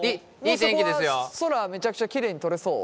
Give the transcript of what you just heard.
そこは空めちゃくちゃきれいに撮れそう？